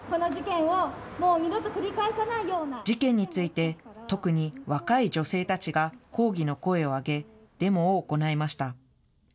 事件について特に若い女性たちが抗議の声を上げ、デモを行いました。